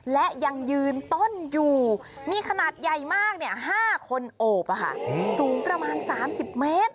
และยังยืนต้นอยู่มีขนาดใหญ่มาก๕คนโอบสูงประมาณ๓๐เมตร